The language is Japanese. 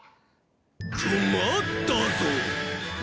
クマッたぞ！